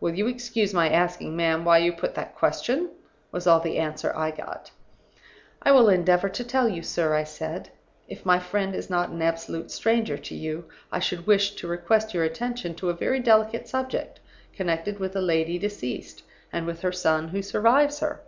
"'Will you excuse my asking, ma'am, why you put that question?' was all the answer I got. "'I will endeavor to tell you, sir,' I said. 'If my friend is not an absolute stranger to you, I should wish to request your attention to a very delicate subject, connected with a lady deceased, and with her son who survives her.